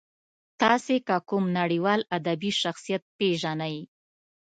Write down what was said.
تاسې که کوم نړیوال ادبي شخصیت پېژنئ.